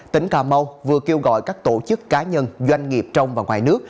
tỉnh cà mau vừa kêu gọi các tổ chức cá nhân doanh nghiệp trong và ngoài nước